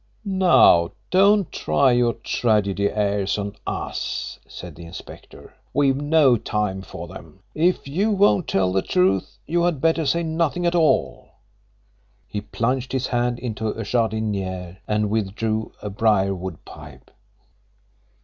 "Now, don't try your tragedy airs on us," said the inspector. "We've no time for them. If you won't tell the truth you had better say nothing at all." He plunged his hand into a jardinière and withdrew a briar wood pipe.